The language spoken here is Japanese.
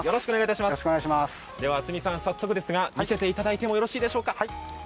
渥美さん、早速ですが見せていただいてもよろしいでしょうか。